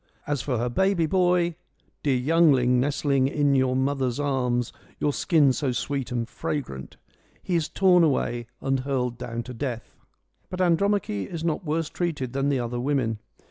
As for her baby boy ;' dear youngling nestling in your mother's arms, your skin so sweet and fragrant,' he is torn away and hurled down to death. But Andromache is not worse treated than the other women.